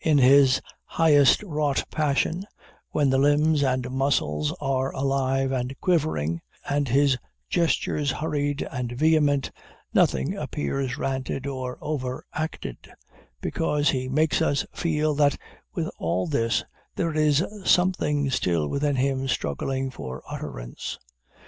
In his highest wrought passion, when the limbs and muscles are alive and quivering, and his gestures hurried and vehement, nothing appears ranted or overacted; because he makes us feel, that, with all this, there is something still within him struggling for utterance.